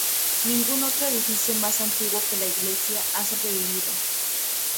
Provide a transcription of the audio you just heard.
Ningún otro edificio más antiguo que la iglesia ha sobrevivido.